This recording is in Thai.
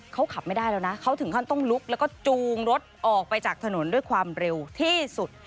เขาขับไม่ได้แล้วนะเขาถึงขั้นต้องลุกแล้วก็จูงรถออกไปจากถนนด้วยความเร็วที่สุด